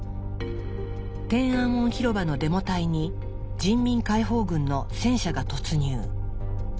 天安門広場のデモ隊に人民解放軍の戦車が突入。